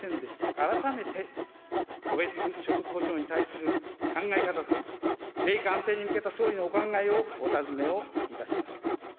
改めて、戸別所得補償に対する考え方と、米価安定に向けた総理のお考えをお尋ねをいたします。